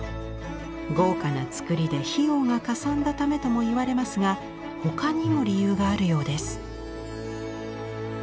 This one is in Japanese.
豪華な作りで費用がかさんだためともいわれますが他にも理由があるようです。